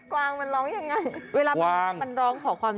วางมันร้องยังไงเวลามันร้องขอความ